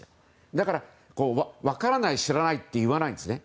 だから分からない、知らないと言わないんですね。